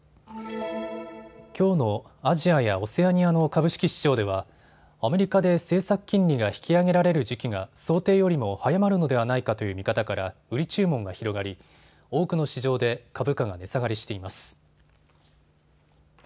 きょうのアジアやオセアニアの株式市場ではアメリカで政策金利が引き上げられる時期が想定よりも早まるのではないかという見方から売り注文が広がり多くの市場で株価が値下がりしています。